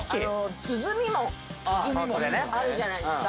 あるじゃないですか。